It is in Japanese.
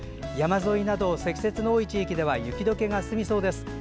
山沿いなど積雪の多い地域では雪どけが進みそうです。